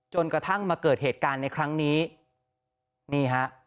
จนกระทั่งมาเกิดเหตุการณ์ในครั้งนี้นี่ฮะ